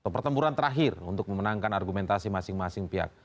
pertempuran terakhir untuk memenangkan argumentasi masing masing pihak